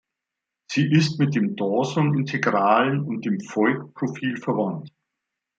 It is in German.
Sie ist mit den Dawson-Integralen und dem Voigt-Profil verwandt.